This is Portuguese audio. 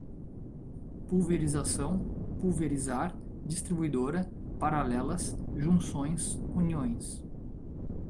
pulverização, pulverizar, distribuidora, paralelas, junções, uniões